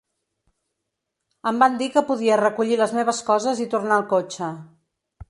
Em van dir que podia recollir les meves coses i tornar al cotxe.